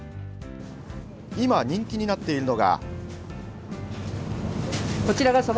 今、人気となっているのが。